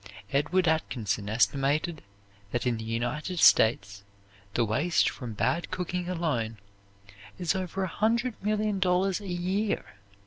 Edward Atkinson estimated that in the United States the waste from bad cooking alone is over a hundred million dollars a year!